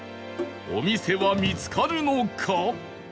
お店は見つかるのか？